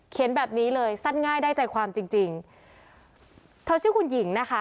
แบบนี้เลยสั้นง่ายได้ใจความจริงจริงเธอชื่อคุณหญิงนะคะ